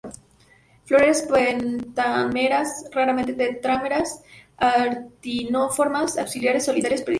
Flores pentámeras, raramente tetrámeras, actinomorfas, axilares, solitarias, pediceladas.